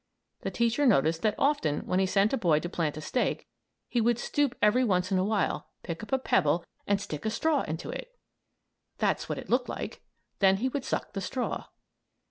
The teacher noticed that often when he sent a boy to plant a stake, he would stoop every once in a while, pick up a pebble and stick a straw into it! That's what it looked like! Then he would suck the straw.